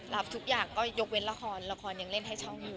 ทุกอย่างก็ยกเว้นละครละครยังเล่นให้ช่องอยู่